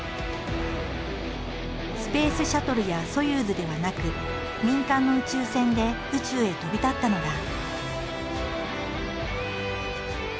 スペースシャトルやソユーズではなく民間の宇宙船で宇宙へ飛び立ったのだ。